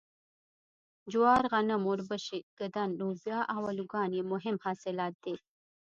جوار غنم اوربشې ږدن لوبیا او الوګان یې مهم حاصلات دي.